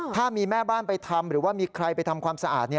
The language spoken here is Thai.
ถ้ามีแม่บ้านไปทำหรือว่ามีใครไปทำความสะอาด